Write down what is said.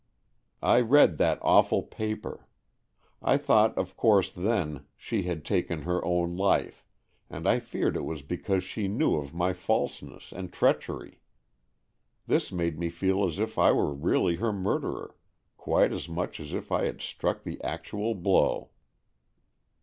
I read that awful paper,—I thought of course, then, she had taken her own life, and I feared it was because she knew of my falseness and treachery. This made me feel as if I were really her murderer, quite as much as if I had struck the actual blow."